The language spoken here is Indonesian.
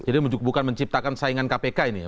jadi bukan menciptakan saingan kpk ini ya